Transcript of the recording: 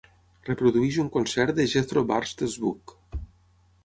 Reprodueix un concert de Jethro Burns de Zvooq